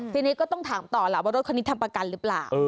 ทีนี้ก็ต้องถามต่อล่ะว่ารถคันนี้ทำประกันหรือเปล่า